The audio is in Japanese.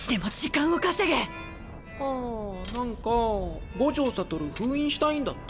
ああなんか五条悟封印したいんだって。